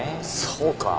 そうか？